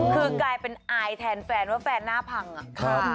คือกลายเป็นอายแทนแฟนว่าแฟนหน้าพังอะ